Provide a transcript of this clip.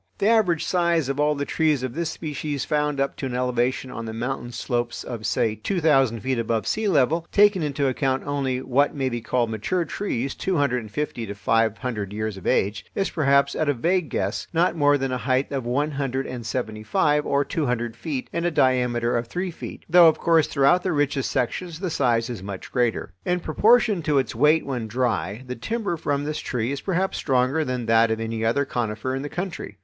The average size of all the trees of this species found up to an elevation on the mountain slopes of, say, two thousand feet above sea level, taking into account only what may be called mature trees two hundred and fifty to five hundred years of age, is perhaps, at a vague guess, not more than a height of one hundred and seventy five or two hundred feet and a diameter of three feet; though, of course, throughout the richest sections the size is much greater. In proportion to its weight when dry, the timber from this tree is perhaps stronger than that of any other conifer in the country.